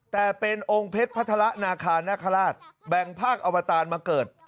แต่เป็นองค์เพชรพัฒระนาคานาคาราชแบ่งภาคอวตารมาเกิด